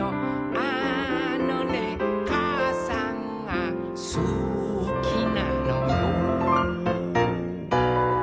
「あのねかあさんがすきなのよ」